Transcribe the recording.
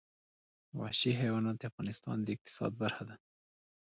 وحشي حیوانات د افغانستان د اقتصاد برخه ده.